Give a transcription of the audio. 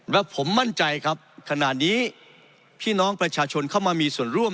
และผมมั่นใจครับขณะนี้พี่น้องประชาชนเข้ามามีส่วนร่วม